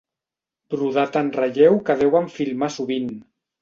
Brodat en relleu que deuen filmar sovint.